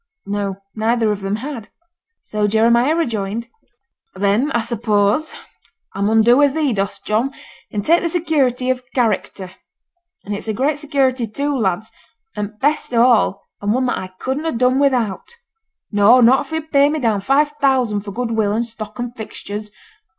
No; neither of them had. So Jeremiah rejoined 'Then, I suppose, I mun do as thee dost, John, and take the security of character. And it's a great security too, lads, and t' best o' all, and one that I couldn't ha' done without; no, not if yo'd pay me down five thousand for goodwill, and stock, and fixtures.